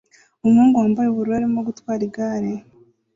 Umuhungu wambaye ubururu arimo gutwara igare